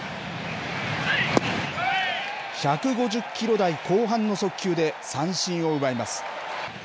１５０キロ台後半の速球で三振を奪います。